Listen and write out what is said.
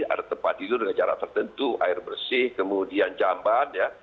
ada tempat tidur dengan jarak tertentu air bersih kemudian jamban ya